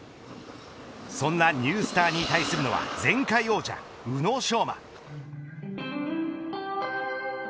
そんなニュースターに対するのは前回王者、宇野昌磨。